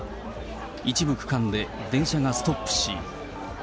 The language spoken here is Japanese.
一部区間で電車がストップし。